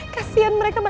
kasian mereka malah